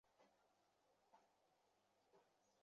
ভয় পেয়ে শেষটায় মেয়েমানুষের আঁচল ধরলি?